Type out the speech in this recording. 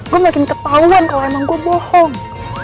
gua makin kepauan kalo emang gua bohong